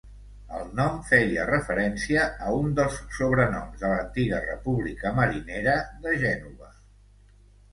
El nom feia referència a un dels sobrenoms de l'antiga República marinera de Gènova.